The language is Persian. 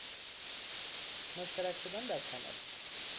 مشترک شدن در کانال